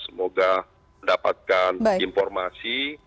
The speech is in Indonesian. semoga mendapatkan informasi